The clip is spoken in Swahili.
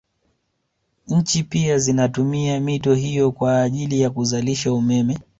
Nchi pia zinatumia mito hiyo kwa ajili ya kuzalisha umeme